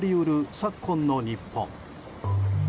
昨今の日本。